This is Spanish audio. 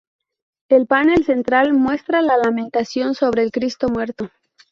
El panel central muestra la Lamentación sobre el Cristo muerto.